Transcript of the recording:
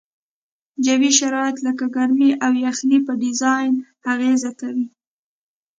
جوي شرایط لکه ګرمي او یخنۍ په ډیزاین اغیزه کوي